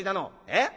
えっ！